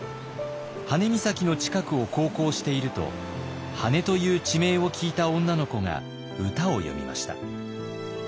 羽根岬の近くを航行していると「羽根」という地名を聞いた女の子が歌を詠みました。